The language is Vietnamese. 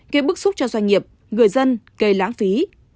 gây bức xúc cho doanh nghiệp người dân gây lãng phí